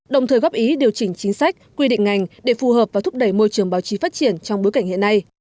đồng thời góp ý điều chỉnh chính sách quy định ngành để phù hợp và thúc đẩy môi trường báo chí phát triển trong bối cảnh hiện nay